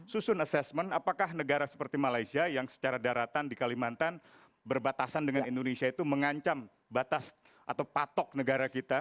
susun assessment apakah negara seperti malaysia yang secara daratan di kalimantan berbatasan dengan indonesia itu mengancam batas atau patok negara kita